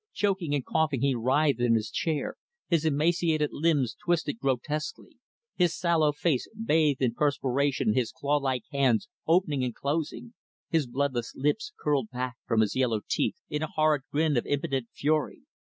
Choking and coughing he writhed in his chair his emaciated limbs twisted grotesquely; his sallow face bathed in perspiration his claw like hands opening and closing; his bloodless lips curled back from his yellow teeth, in a horrid grin of impotent fury.